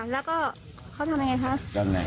แล้วก็เขาทำยังไงคะ